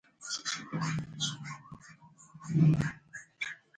Menos disco, más ruido.